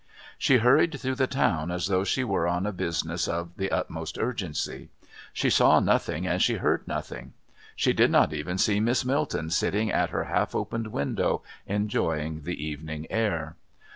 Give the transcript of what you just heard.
She hurried through the town as though she were on a business of the utmost urgency; she saw nothing and she heard nothing. She did not even see Miss Milton sitting at her half opened window enjoying the evening air.